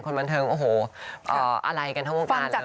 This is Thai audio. คุณบรรเทิงโอ๊โหอะไรกันทั้งหัวบ้านเลย